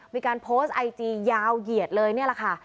มีการโพสต์ไอจียาวเหยียดเลยนี่แหละค่ะ